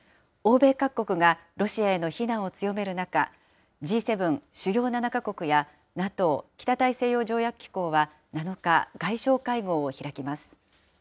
欧米各国がロシアへの非難を強める中、Ｇ７・主要７か国やＮＡＴＯ・北大西洋条約機構は７日、外相会合を開きます。